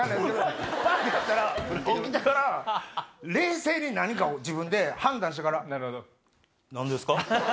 起きてから冷静に何かを自分で判断してから。